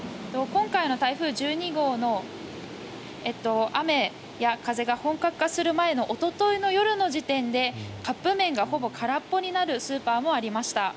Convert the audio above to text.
今回の台風１２号の雨や風が本格化する前のおとといの夜の時点でカップ麺がほぼ空っぽになるスーパーもありました。